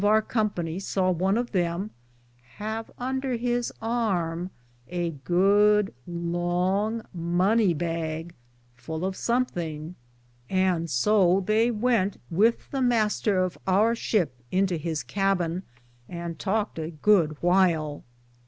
our company saw one of them have under his arme a good long mony bage full of somthinge, and so they wente with the Mr. of our ship into his cabin, and talked a good whyle.